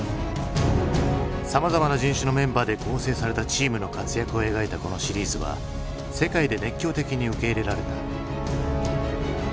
さまざまな人種のメンバーで構成されたチームの活躍を描いたこのシリーズは世界で熱狂的に受け入れられた。